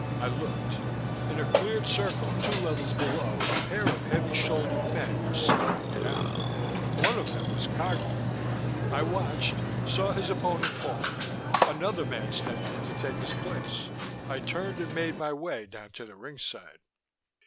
I looked. In a cleared circle two levels below a pair of heavy shouldered men were slugging it out. One of them was Cagu. I watched, saw his opponent fall. Another man stepped in to take his place. I turned and made my way down to the ring side.